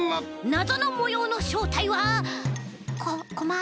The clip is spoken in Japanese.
なぞのもようのしょうたいはココマコマ。